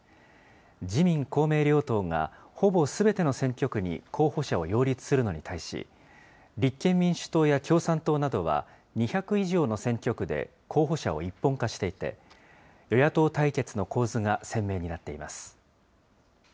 自民、公明両党が、ほぼすべての選挙区に候補者を擁立するのに対し、立憲民主党や共産党などは、２００以上の選挙区で候補者を一本化していて、与野党対決の構図が鮮明になっています。